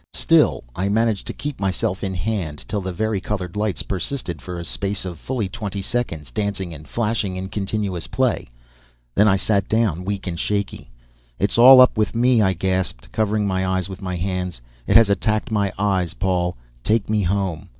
Still, I managed to keep myself in hand, till the vari colored lights persisted for a space of fully twenty seconds, dancing and flashing in continuous play. Then I sat down, weak and shaky. "It's all up with me," I gasped, covering my eyes with my hands. "It has attacked my eyes. Paul, take me home."